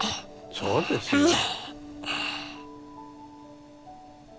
そうですか？